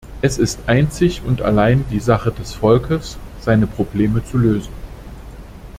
Es ist einzig und allein die Sache des Volkes, seine Probleme zu lösen.